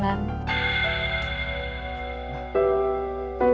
kepala bagian keuangan